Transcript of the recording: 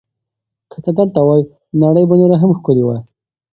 که ته دلته وای، نړۍ به نوره هم ښکلې وه.